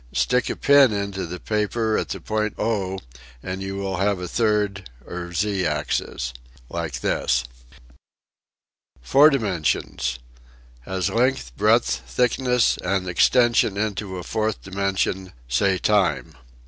Stick a pin into the paper at the point O and you will have the third or 8 axis. Like this Four dimensions: ^ Has length, breadth, thickness and extension into a fourth dimension, say time